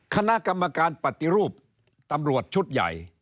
คณะกรรมการปฏิรูปตำรวจชุดใหญ่